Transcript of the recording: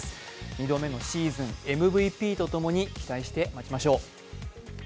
２度目のシーズンＭＶＰとともに、期待して待ちましょう。